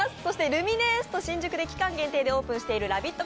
ルミネエスト新宿で期間限定でオープンしているラヴィット！